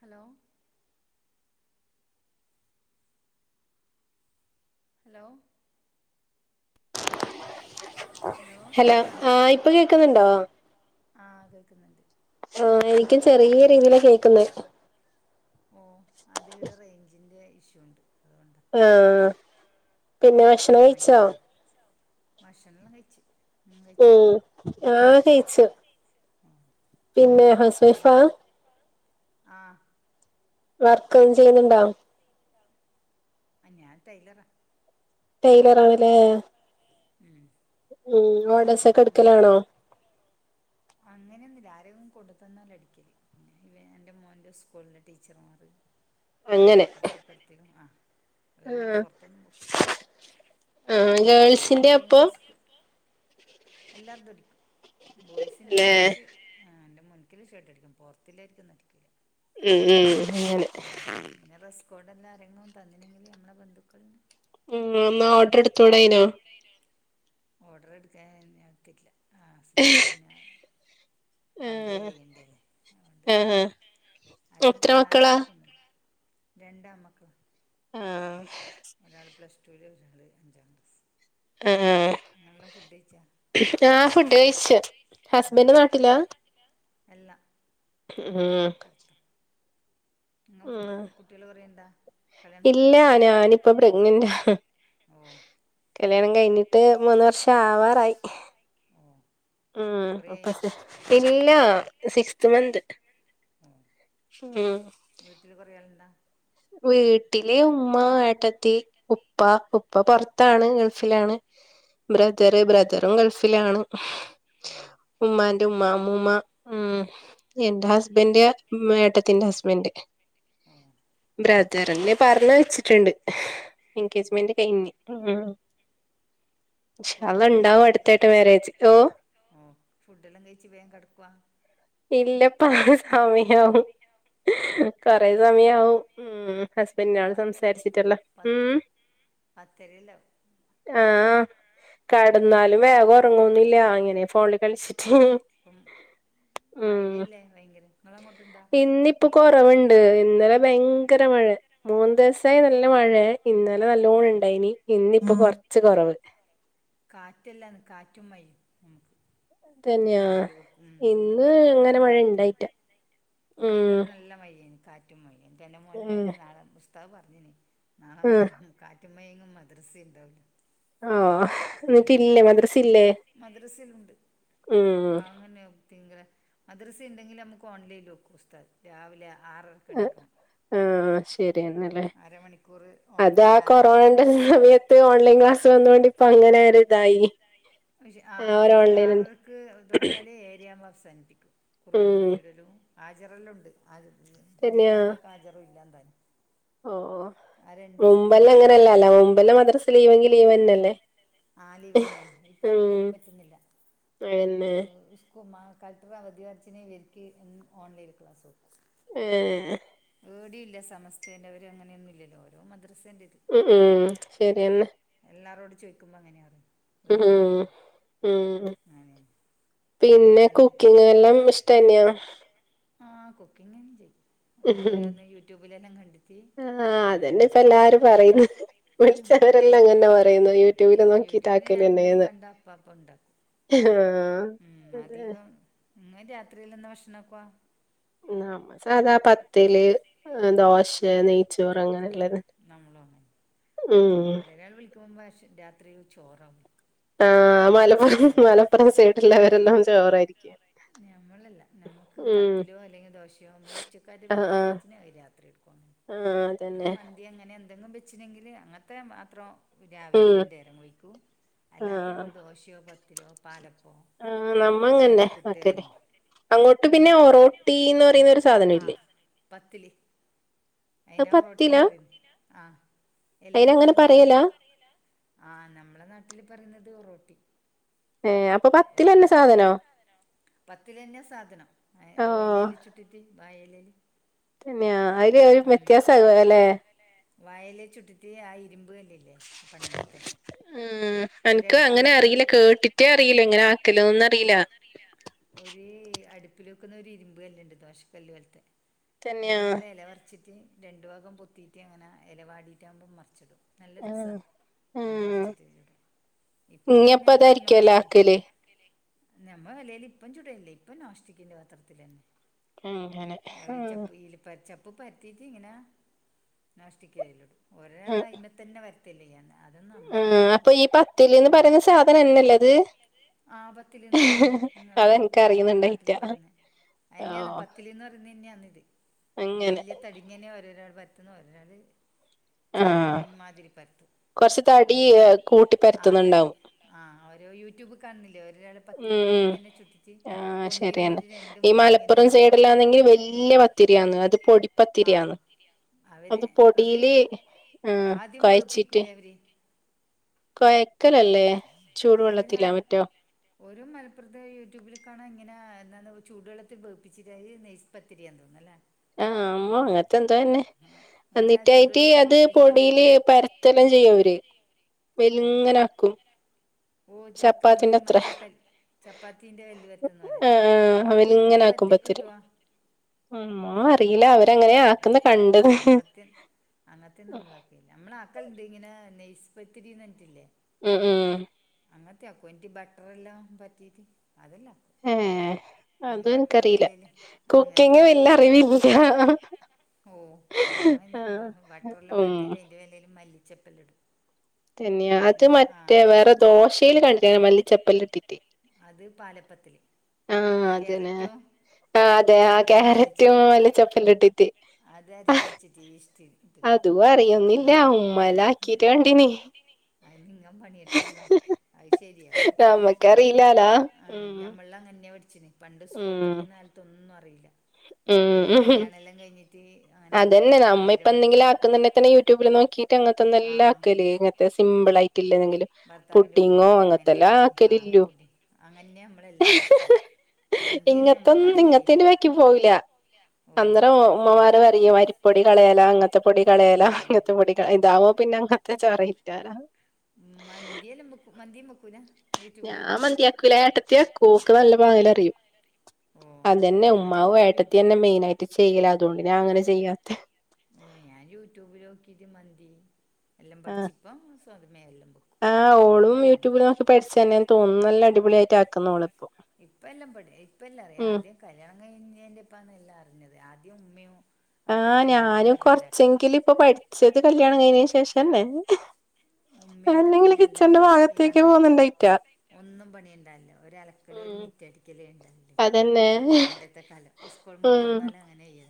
Hello hello hello ആ ഇപ്പൊ കേൾക്കുന്നുണ്ടോ ആ ആ കേൾക്കുന്നുണ്ട് ആഹ എനിക്കും ചെറിയ രീതിയില കേൾക്കുന്ന ഓ അതി ഇടെ റേഞ്ചിന്റെറെ ഇഷ്യൂ ഉണ്ട് അതുകൊണ്ടാ ആഹ പിന്നെ വിഷണം കഴിച്ചോ ഭഷണംല്ലാം കഴിിച്ചച്ച് ഉം ആ് കയിിച്ചു ആ പിന്നെ ഹസവൈഫ ആഹ വർക്ക്ും ചെയ്യുന്നുണ്ടോ ആ ഞാൻ ടൈലറ ടയിലറ ആണല്ലേ ഉം ഉം ഓഡസ ഒക്കെ എടുക്കലാണോ അങ്ങനെയൊന്നുംില്ല ആരെയന്നും കൊണ്ടു തന്നാല അടിക്കല് പിന്നെ ഇവ എറെ മോന്റെ സ്കൂളിലെ ടീച്ചർമാർ പിന്ന അങ്ങനെ അപ്പറത്തിപ്പറത്തക്കും ആ ഏടിയും ആ പുൊറത്തൊന്നും പോൊക്കില്ല ആ ാ ഗേൾസിന്റെ ആരിക്കും അപ്പൊ റെസ്ക് എല്ലാവർുംടിക്കും ബോയ്സിന്റെ അല്ലെ കുറച്ച് ഹ എ്ന്റെ മുൻകില് ഷേട്ട്ടരിക്കും പുൊറത്തില്ലായിരിക്കുംരിക്ക ഉം ഉം അങ്ങനെ ഉ പിന്നെ റെസ്കോടെ എല്ലാം ആരെങ്ങും തന്നില്ലെങ്കില് നമ്മളുടെ ബന്ധുക്കൾന് ഉം എന്നാ ഓർഡർ എടുത്തോടയ്നോ ഓർഡർ എടുക്കാൻ ഞൻ എത്തില്ല ആ ഹസ്ബൻഡ് പിന്നെ ആ പണ്ടേ ചെയ്യണ്ടി അല്ലേ അതൊണ്ട് ആ ആ ആരെങ്കിലും എത്ര തന്നാലല്ലെ മക്കളാ അടിക്കണ്ട് രണ്ട് ആൺ മക്കളാ ആ ഒരാൾ പ്ലസ് ടുൽ ഒരാൾ അഞ്ചാം ക്ലസ് ആ ആ ഫുഡ് കഴിച്ച ഓ ഹസ്ബൻഡ നാട്ടിലാ ഫുഡ് അല്ല ഉം ഓള് പുറത്താ ഇങ്ങൻ ഉം കുട്ടികൾ കൊറയണ്ടാ കല്യാണം ഇല്ല ഇല്ല ഞാനിപ്പ ഞാനിപ്പം പ്രഗ്നന്റാ പ്രഗ്നന്റെ ഓഹ് കല്യാണം കഴിഞ്ഞിട്ട് മൂന്ന് വർഷം ആവാറായി ഉം കുറയെ അപ്പ ആയോ സ് ഇല്ല സിക്സ്ത് മന്ത് ഉം ഉം വീട്ടില് കുറെ അളുണ്ടോ വീട്ടിലെ ഉമ്മ ഏട്ടത്തി ഉപ്പ ഉപ്പ പുറത്താണ് ഗൾഫിലാണ് ബ്രദറ് ബ്രദറും ഗൾഫിലാണ് ആഹ് ഉമ്മാന്റെ ഉമ് അമ്മൂമ്മ ഉംഎന്റെ ഹസ്ബൻഡ് ഏട്ടത്തിന്റെ ഹസ്ബൻഡ് ഉം ബ്രദർന്നെ പറഞ്ഞ വെച്ചിട്ട്ണ്ട്, എൻഗേജ്മെന്റ് കയിഞ്ഞ് മ്മ് ഇൻഷാള്ള ഇണ്ടാവും അട്ട്ത്തായിട്ട് മാരേജ് ഓ ഓ ഫുഡ്ല്ലാം കഴിച്ച് വേഗം കിടക്കുവ. ഇല്ലപ്പ സമിയവും കൊറെ സമിയവും ഉം ഹസ്ബൻനാണ് സംസാരിച്ചിട്ടള്ള ഉം പത്തിരില ആഹ് കടന്നാലും പത്ത വേഗം ഉറങ്ങുന്നില്ല ഇങ്ങനെ ഫോണിൽ കളിച്ചിട്ട്ഹ് പ്പം മഴല്ലേ വയ്ങ്കരെ ഇങ്ങള അങ്ങോട്ട് ഇണ്ടാ പ്പ കൊറവ്ണ്ട് ഇന്നലെ ഭയങ്കര മഴയെ മൂന്ന് ദിസയി നല്ല മഴെ ഇന്നലെ നല്ലോണം ഇണ്ടായ്നി ഇന്നിപ്പൊ കൊർച്ച് കൊറവ് കാറ്റല്ലന്ന് കാറ്റും മയയും നമ്മ്ക്ക് ഇത് തന്നെയാ കറണ്ട്പോക്കും ഇന്ന് അങ്ങനെ വൈന്നേരെല്ലാം മഴ കാറ്റാ ഇണ്ടായിറ്റ ഇന്ന് ഉം വൈനേരം നല്ല മഴേയ്നി കാ റ്റ എന്റെ മോൻ ഏഹ് പറഞ്ഞ്ന് നാളെ ഉസ്താദ് പറഞ്ഞിനി നാളെ മഴ ആഹ് കാ റ്റും മഴ മദ്രസ് ഉണ്ടാവില്ല ആഹ് ഉം എന്നിട്ടില്ലേ മദ്രസ ഇല്ലേ മദ്രസിനുണ്ട് ഉം കാങ്ങനെ ഉം തിങ്കളെ മദ്രസ് ഇണ്ടെങ്കിൽ നമുക്ക് ഓൺലൈനിലെക്കും ഉസ്താദ് രാവിലെ ആറരക്ക് അ എണിക്കണം ആഹ് ശരിയെന്നല്ലേ അതാ ഓൺലൈനിൽ ഹാജറും കൊറോണന്റെ സമയ പ്പൊ ഓൺലൈൻ ക്ലാസ് വന്നോണ്ട് ഇപ്പ അങ്ങനെ ഓരുതായി [unintelligible] ആഹ് അഞ്ച് ആറരക്ക് തുടങ്ങിയാല് ഏയിരവുമ്പോ അവസാനിപ്പിക്കും ഉം ഖുർആനോദിവിട്ടെല്ലും ആജറോല്ലാം ഉണ്ട് തന്നെയാ എനീക്കാത്ത ആജറുംല്ലാ താനും ഓ ഓ മുമ്പെല്ലാം കിട്ടിയില്ലേ എന്നാ അങ്ങനെയലല്ല മുമ്പെല്ലാം മദ്രാസ് ലീവെങ്കി ലീവെന്നെല്ലേ ആലീവെന്നെ ഇപ്പൊ അങ്ങനെയൊന്നും പറ്റിന്നില്ല അതന്നെ [unintelligible] ഉം മഴകൽത്ത് അവധി വർച്ചിന് ഇവരിക്ക് ഉം ഓൺലൈൽ ക്ലാസും ഏഹ് ഏടെയില്ല സമസ്ഥതേന്റെ അവര് അങ്ങനെയൊന്നും ഇല്ലല്ലോ ഓരോ മദ്രസേൻ്റത്. ഉം ഉം ശരി എന്നെ എല്ലാരോട് ചോയിക്കുമ്പോ അങ്ങനെയാപറയ ഉം ഉം അങ്ങനെ പിന്നെ വേറെന്ത് കുക്കിങ്ല്ലാം ഇഷ്ടന്നെയാ ആഹ് കുക്കിംഗ്ല്ല്ലാം ചെയ്യും [unintelligible] ഓരോന്ന് യൂട്യൂബിലെല്ലാം കണ്ടിട്ട് ആ അതന്നെ അങ്ങനെയെല്ലാം ഇപ്പ ചെയ്യും എല്ലാരും പറയുന്നത് [unintelligible] വിളിച്ചവരെല്ലാം അങ്ങനെ പറയ്ന്ന് യൂട്യൂബി യൂട്യൂബില് ഞാൻ എന്തെലും കണ്ട അപ്പ അപ്പ ആഹ് ഇണ്ടക്കും അതെ അധികം ഇന്ന് രാത്രിയിൽ എന്ന ഭക്ഷണകോ നമ്മ സാദാ പത്തില് ഉം ഓ ദോശ, നെയ്ച്ചോറ്, അങ്ങനെയിള്ളത് [unintelligible] വിളിക്കുമ്പഷ് രാത്രിൽ ചോറാവും ആഹ് മലപ്പുറം മലപ്പുറം സെഡിള്ളവരെല്ലാം ചോറായിരിക്കും നമ്മളല്ല നമുക്ക് ഉം പത്തിലോ അല്ലെങ്കിൽ ദോശയോ നമ്മള് ഉച്ചക്കാര്യം ബിരിയാണി വെച്ച്നെ അത് രാത്രി എടുക്കുങ്ങനെ ആ അതന്നെ അങ്ങനെ എന്തെങ്കിലും വെച്ചനെങ്കിൽ അങ്ങനത്തെ മാത്രം രാവിലെ ഉം രണ്ടു നേരം കുഴിക്കും അല്ലാത്ത ആഹ് ദോശയോ പത്തിലോ പാലപ്പോ ആഹ് നമ്മ അങ്ങന്നെ നൂൽപുട്ട് അക്കല് അങ്ങനെ അങ്ങോട്ട് പിന്നെ നൂൽപുട്ട് ഒറോട്ടിന്ന് പറയ്ന്ന ഒരു സാധനെ ഇല്ലേ പത്തില്ല് അത് അയിന പത്തിലാ ഒറോട്ടിന്ന് പറയ്നെ ആ എലേല് അയിനങ്ങനെ പറയലാ [unintelligible] ആ നമ്മ്ളെ നാട്ടില് പറയ്ന്നത് ഒറോട്ടി ഏഹ് അപ്പൊ പത്തിലന്നെ ഏഹ് സാധനോ പത്തിലെനെ സാധനം ഓഹ് ഏലെയിൽ ചു [unintelligible] വാഴേലേല് തന്നെയാ അയിൽ ഒരു വ്യത്യാസലല്ലെ വായലെ ചുട്ടിട്ട് ആ ഇരുമ്പ് ഇല്ലല്ലേ ആ പണ്ടത്തെ ഉം അനക്ക് ഓരട്ട്പ്പിൽ അങ്ങനെ അറിയില്ല വെക്ക്നേര് [inaudible] കേട്ടിട്ടേ അറിയില്ല ഇങ്ങനെ ആക്കലൊന്നും അറിയില്ല ഒരു അടുപ്പിൽ വെക്കുന്ന ഒരു ഇരുമ്പ് കല്ലുണ്ട് ദോശക്കല്ല് പോലത്തെ തന്നെയാ അതില് നമ്മള് ഇല വരച്ചിട്ട് രണ്ടു ഭാഗം പൊത്തീട്ട് അങ്ങനെ ഇല വാടിയിട്ട ആകുമ്പോം മറച്ചിടും നല്ല രസ ഉം അങ്ങനെ ഉം പറിച്ചിട്ട് ഇൂടെ ഇപ്പം പിന്നെ ഇഞ്ഞിപ്പ എല്ലാരും അതായിരിക്കുവല്ലോ ദേഷേ ആക്കല് ഞമ്മ എലയിൽ ഇപ്പം ചുടല്ലേ ഇപ്പം നോസ്റ്റിക്കിന്റെ പത്രത്തിന്നെ അങ്ങനെ ഉം ചപ്പ് ചപ്പ് പരത്തീട്ട് ഇങ്ങനെ നേഷ്ടിക്കലിടും ഒരാൾ ഉം അൈമത്ത തന്നെ പരത്തും ല്ല അതൊന്നും നമ്മ ഉം അപ്പൊ എണക്കാവില്ല ഈ പത്തില്ന്ന് പറയുന്ന സാധനന്നല്ലേ അത് ആ പത്തിൽന്ന് പറയുന്നന്നെ നിങ്ങള് ഓരോ നാട്ടില് അതെനിക്കറിയുന്നുണ്ടായിറ്റാ പറയുന്നേ അയെന്നെയന്ന് ഓഹ് പത്തിലിന്ന് പറയുന്നന്നെയന്ന ഇത് അങ്ങനെ വല്യ തടി ഇങ്ങനെ ഓരോരാൾ പരത്തുന്ന ഒൊരാള് ചെ ആഹ് മാ പരത്തും കൊറച്ച് തടി അങ്ങനെ കൂട്ടി ആ തടി പരത്തുന്നുണ്ടാവും ആഹ് ഒരു യൂട്യൂബ് കാണുന്നില്ലേ ഒരാള് ഉം പത്തില്ൽ വല ഉം ഇങ്ങനെ ചുറ്റിച്ച് ആഹ് പൊന്തി ശരിയെന്നെ വന്നിട്ട് രണ്ടും ഈ മൂല ഇങ്ങനെ മലപ്പുറം സൈഡിലാണെങ്കിൽ വല്യ പത്തിരിയാന്ന് അത് ആഹ് പൊടിപ്പത്തിരിയാന്ന് അവര് അത് അവര് പൊടീല് ആഹ് ആദ്യം കൊഴച്ചിട്ട് വേപ്പിക്കൂലേ അവര് കൊഴക്കലല്ലേ കുഴക്കലല്ലേ അവര് ചൂടുവെള്ളത്തിലാ മറ്റോ ഒരു മലപ്പുറത്തെ യൂട്യൂബിൽ കാണാൻ ഇങ്ങനെ എന്താ ചൂടുെള്ളത്തിൽ വേപ്പിച്ചിട്ട് നൈസ് പത്തിരിയ തേന്നുന്നല്ലേ ആഹ് അങ്ങനത്തെ എന്തോ തന്നെ അങ്ങനെ എന്നിട്ടായിട്ട് ചൂടുവെള്ളത്തിൽ അത് വേപ്പിച്ചിട്ട് പൊടിയില് ചൂട് പരത്തെല്ലാം ചെയ്യും അവര് ഓ വെലിങ്ങനാക്കും ഓ ഇത് നമ്മള് ചപ്പാത്തിന്റെ അത്ര മറ്റേ കൽ ചപ്പാത്തീൻ്റെ കല്ല് പരത്തുന്ന പോലെ ഹോ അവല് അങ്ങനെ ഇങ്ങനെ ആക്കും പരത്തിയാ പത്തര് കിട്ടുവോ ഉം ഒന്നും അറിയില്ല അവര് അങ്ങനെയ ആക്കുന്ന കണ്ട് ണ് അങ്ങനത്തെന്നും നമ്മളക്കയില്ല നമ്മളെ ആക്കലെണ്ട് ഇങ്ങനെ നെയസ്പത്തിരിന്ന് പറഞ്ഞിട്ടില്ലേ ഉം ഉം അങ്ങനത്തെെ ആക്കും എനിട്ട് ബട്ടർ എല്ലാം പറ്റീട്ട് അതെല്ലാം ആക്കും ഏഹ് ഉം അതും ബട്ടർ എനിക്കറിയില്ല മേലേല് ഉം അത് കുക്കിങ് വല്യ അറിവില്ല ഓ ഞാൻ ആ വട്ടർ എല്ലാം ഉം പരത്തിട്ട് അതിന്റെ മേലും മല്ലി ചെപ്പ് യെല്ല ഇടും തന്നെയ അത് അങ്ങനെ ആഹ് മറ്റേ വേറെ ദോശയിൽ കണ്ടിട്ടനെ മല്ല ചെപ്പൽ ഇട്ടിട്ട് മല്ലിച്ചെപ്പ്. അത് പാലപ്പത്തില് കേരറ്റോ ആഹ് അതെ ആ ക്യാരറ്റും മല്ലിചെപ്പെല്ലഇട്ടിട്ട് അതരച്ച്വെച്ചിട്ടീശ്ട്ട് [unintelligible] [unintelligible] [unintelligible] നിങ്ങ [unintelligible] നമ്മക്കറിയില്ലാലാ ആഹ് ഉം ഞമ്മളള്ങ്ങന്യ പഠിച്ചിന് പണ്ട് ഇസ്ക്കൂളി ഉം പഠിക്കുന്നാലത്തൊന്നും അറിയില്ല ഉം വയ്യ [unintelligible] കല്യാണം എല്ലാം കഴിഞ്ഞിട്ട് അങ്ങനെ അതന്നെ നമ്മ അവരെ വീട്ടി പോയി ഇപ്പന്തെങ്ങിലും ആക്ക്ന്നുണ്ടെതന്നെ [unintelligible] ടൂബില് ആഹ് നോക്കിട്ടങ്ങനത്തെന്നല്ലാക്കല് ഇങ്ങത്തെ സിമ്പിൾ ആഹ് [unintelligible] ഭർത്താവിന്റെ പുഡ്ഡിങ്ങോ [unintelligible] [unintelligible] അങ്ങന്യ [unintelligible] [unintelligible] നമ്മക്ക് ഇങ്ങത്തൊന്നും അറിയേയില്ല [unintelligible] പോകില്ല ഓ ഫുഡ് അന്നരോമ്മമാര [unintelligible] പൊടി കളയലാ ങ്ങത്തെ പൊടി കളയലാ ഓ [unintelligible] ഇതാവുംപിന്നെ [unintelligible] ഉം മന്തിയെലം ബെക്കും [unintelligible] ഞാ മന്തിയാക്കുല യേട്ടത്തിയാക്കുഓക്ക് നല്ല ഓ പാങ്ങിലറിയും ഓ അതന്നെ ഉമ്മാവും ഞാനെല്ലാം യൂട്യൂബ് യേട്ടത്തിയന്നെ നോക്കിട്ട് മെയിനായിട്ട് ചെയ്യലാതുകൊണ്ട്ഞാങ്ങനെ ചെയ്യാത്തെ ഓ ഞായൂട്യൂബിലോക്കിട്ട് മന്തി എല്ലാം ആഹ് പഠിച്ചിപ്പം സ്വതമേ എല്ലാം വെക്കും ആഹ് ഇപ്പം ഓളും ഒന്നും യൂട്യൂബിലോക്കി പഠിച്ചന്നെയാന്നുതോന്നുന്നല്ല അടിപൊളിയായിട്ട [unintelligible] ക്ക്ന്നോളെപ്പോ ഇപ്പഎല്ലാം പടി ഇപ്പഎല്ലാം അറിയാം ആദ്യം കല്യാണം കഴിഞ്ഞേൻ്റിപ്പാന്നെല്ലാറിഞ്ഞത് ആദ്യം ഉമ്മയും ആഹ് ഏട്ടത്തിന്നെ നീ ഞാനും പറഞ്ഞപോലാക്കല് കൊറച്ചെങ്കിലും ഇപ്പൊ പഠിച്ചത് കല്യാണം കഴിഞ്ഞന് ശേഷല്ലേ ഉമ്മയും ഏട്ടത്തി എന്നെങ്കിലും തന്നെ എല്ലാം കിച്ചന്റെ ആക്കല് ഈ ഭാഗത്തേക്ക് അന്നേരം പോന്നുണ്ടായിറ്റാ ഒന്നും പണിഇണ്ടാവില്ലാ ഒരലക്കല്, ഒരു മിറ്റടിക്കല് ഇണ്ടാവുല അതന്നെ പണ്ടത്തെ കാലം സ്കുളുംവിട്ട് വന്നാല് അങ്ങനായ്യാ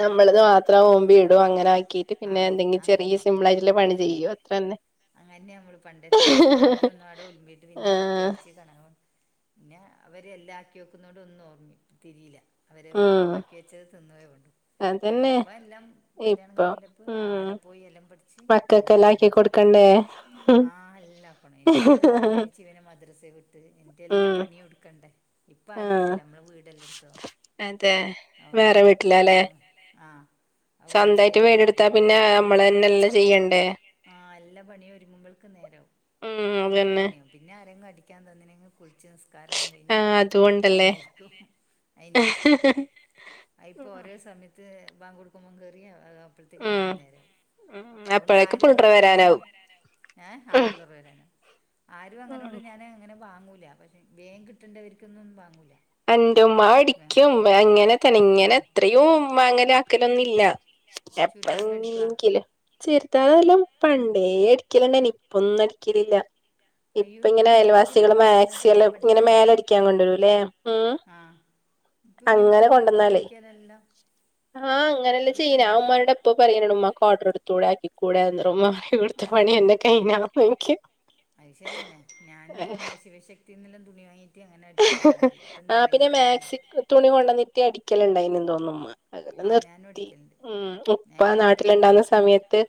ഞമ്മളത് വാ അത്ര ഓമ്പി ഇടും അങ്ങനെ ആക്കീട്ട് ആ പിന്നെന്തെങ്കിലും ചെറിയ സിമ്പിളായിട്ടുള്ള പണി ചെയ്യും അത്രന്നെ അങ്ങന്യാമ്മള് പണ്ടത്തെ സ്കൂളുംവിട്ട് വന്നാലോൽമ്പീട്ട് പിന്നെ ആഹ് മിറ്റടിച്ച് താണ് ഓൻ ന്നെ അവര് എല്ലാം ആക്കി വെക്കുന്നോണ്ട് ഒന്നും ഓർമ്മി തിരീലാ അവര് വ് ഉം ആക്കി വെച്ചത് തിന്നുവേ വേണ്ടു. അതന്നെ ഇപ്പഎല്ലാം കല്യാണം കഴിഞ്ഞിനിപ്പം ആടം പോയിഎല്ലാം പടിച് മക്കക്കെല്ലാക്കി കൊടുക്കണ്ടേ ആഹ് എല്ലാക്കണം ഇപ്പം രാവിലെ എണീച്ച് ഇവനെ മദ്രസെ വിട്ട് എൻ്റെ എല്ലാ ഉം പണിയുടു- ക്കണ്ടേ ഇപ്പ ആഹ് ആരുഇല്ലല്ലോ മ്മള് വീടെല്ലാടുത്തതാ അതെ വേറെ അഓണ്ട് വീട്ടിലാല്ലേ എന്താ ആഹ് സ്വന്തായിട്ട് വീടെടുത്താപ്പിന്നെ അമ്മള്തന്നല്ലേ ചെയ്യണ്ടേ ആഹ് എല്ലാ പണിയും ഒരുങ്ങ്മ്പ്ൾക്കും നേരാവും ഉം പന്ത്രണ്ട് അതന്നെ മണിയാവും പിന്നെ ആരെങ്കടിക്കാന്തന്തിനിങ്ങ് കുളിച്ച് നിസ്കാരെല്ലാം ആ കയിഞ്ഞ് അതുകൊണ്ടല്ലേ അയ്നിരിക്കും അയ്നിരിക്കും ആഇപ്പൊ ഓരോ സമയത്ത് ബാങ്ക് കൊടുക്കുമ്പോ കേറിയ അപ്പൾത്തേക്ക് ഉം അയിനും നേരായി ഉം അതൊണ്ട് അപ്പഴേക്ക് ആരും പുള്ളിടർ അങ്ങനെ ബേന്ന് വരാനാവും ഏഹ് ആ ഉം പിള്ളേർ വരാനാ ആരുഅങ്ങനോട് ഉം. ഞാന് അങ്ങനെ വാങ്ങൂല പക്ഷെ വേംകിട്ടേണ്ടവര്ക്കൊന്നും വാങ്ങൂല അന്റുമ്മാ അടിക്കും അങ്ങനെ തന്നെ ഓഹ് ഇങ്ങനെത്രയോ ഉമ്മാങ്ങന ക്കലൊന്നില്ല ചുരിദാറിലടിക്കുവാ എപ്പെങ്കിലും ചെറ്താലും പണ്ടേ അടിക്കല്ണ്ടാനി ഇപ്പൊന്നും അടിക്കലില്ല അത് ഇപ്പഇങ്ങനെ യൂട്യൂബിൽ നോക്കിയിട്ട് ഇപ്പൊ അയൽവാസികള് പഠിക്കുന്നൊക്കെ മാക്സി ല്ല് ഇങ്ങനെ മേലടിക്കാൻ കൊണ്ടരൂല്ലേ ആഹ് ഇപ്പൊയൂട്യൂബിലോക്കിട്ട് കൊണ്ടന്നാലേ അടിക്കാനല്ല ആഹ് അങ്ങനല്ലേ ചെയ്യ്നേ ആ ഉമ്മാനോടെപ്പപ്പറയിനാണുമ്മാക്കോടറെടുത്തൂടെ ആക്കിക്കൂടെന്ന്റുമ്മാ പറയാ അത് ഐശെരിന്നെ ഞാന് [unintelligible] ത്തീന്നെല്ലാം തുണി വാങ്ങീറ്റ് അങ്ങനെ അടിച്ചുകൊടുക്കുന്ന് ആഹ് ഇപ്പന്നേരം പിന്നെ കിട്ടുന്നേയില്ല മാക്സി തുണി കൊണ്ടന്നിട്ട് അടിക്കലുണ്ടായിന്നും തോന്നുമ്മ അതൊക്കെ ആ ഞാനും നിർത്തി അടിക്കലുണ്ട് ഉം ഞാൻ ഉപ്പ ഇപ്പം അടിക്കലുണ്ട് നാട്ടിലുണ്ടാവുന്ന സമയത്ത്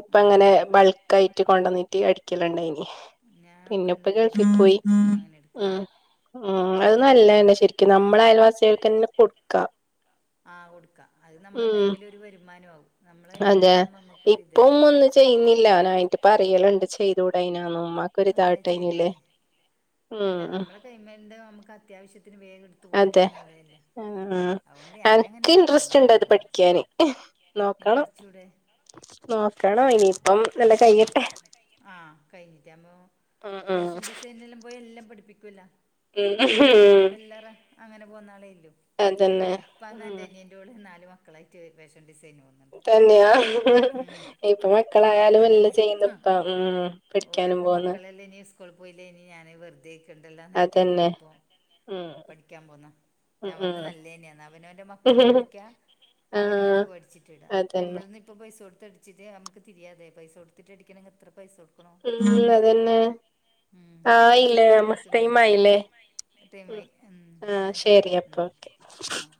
ഉപ്പ ആ അങ്ങനെ ബൾക്കായിറ്റ് കൊണ്ടന്നിറ്റ് അടിക്കലുണ്ടായിനി ഞാൻ പിന്നുപ്പ കണ്ണൂർ പോയിട്ട് ഗൾഫി എടുത്ത് പോയി അങ്ങനെ എടുക്കലുണ്ട് ഉം അത് അങ്ങനെ നല്ലതന്നെ എടുക്കലുണ്ട് ശരിക്കും നമ്മളയൽവാസികൾക്കന്നെ കൊടുക്കാം ആഹ് കൊടുക്കാം അത് നമ്മളെ കൈമില് ഒരു വരുമാനാവും നമ്മള അതെ കൈമ്മില്ണ്ടാവുമ്പോ ഇപ്പം നമ്മുക്കൊരിതല്ലേ ഒന്നും ചെയ്യുന്നില്ല നായിട്ട്പ്പറയലുണ്ട് ചെയ്തൂടായിനാന്നുമ്മാ അതേ ചെയ്തൂടെ ഉം അല്ല ഉം. നമ്മള് കൈമേന്റെ നമുക്ക് അത്യാവശ്യത്തിന് വേഗെടുത് അതെ തൂവാനുംനല്ലയല്ലേ ആഹ് അവോണ്ട് എനക്ക് ഞാനങ്ങനെടുക്കും ഇൻട്രസ്റ്റ് ഉണ്ട് അത് ഓരെങ്ങുംതന്നെ പഠിക്കാന് നോക്കണം ന്ന്പഠിച്ചൂടെ അതെ നോക്കണം ഇനിയിപ്പം നല്ല കയ്യട്ടെ ആഹ് കയ്ഞ്ഞിറ്റാ ന്നു ഉം ഉം പാഷൻ ഡിസൈനിലും പോയി എല്ലാം പഠിപ്പിക്കുവല്ലോ ഉം ഉം. എല്ലാറ അങ്ങനെ പോന്നാളേല്ലു അതന്നെ ഇപ്പന്ന് ഉം എന്റനിയൻ്റോള് നാലു മക്കളായിറ്റ് പാഷൻ ഡിസൈന് പോന്ന് തന്നെയാ ഇപ്പ മക്കളായാലും മക്കളെല്ലാം എല്ല ചെയ്യുന്നു ആഹ് ഇപ്പം ഉം ഓള് പഠിക്കാനും വർഞ്ഞ് പോന്ന് മക്കളെല്ലാ ഇനി സ്കൂള് പോയില്ലേ ഇനി ഞാന് വെറുതേക്കണ്ടല്ലാന്ന് എന്റെ ഓള് അതന്നെ ഇപ്പം ഉം പഠിക്കാമ്പോന്ന് ഉം നാമ്പർഞ്ഞ് നല്ലേന്നെയാന്ന് അവനോൻ്റെ മക്കക്ക് ഉം പഠിക്കാ ആഹ് [unintelligible] അതന്നെ ഞമ്മള് [unintelligible] പൈസൊട്ത്തടിച്ച്ട്ടമ്മക്ക് തിരിയാതെ [unintelligible] എത്ര പൈസൊടുക്കണോം [unintelligible] അതന്നെ പാട് ആയില്ലേ സമയായി [unintelligible] നിൽക്കുന്നത് ടൈമായില്ലേ ഉം ടൈമായി ആഹ് എന്നാ ശരി എന്നാ ഓക്കെ അപ്പൊക്കെ ആ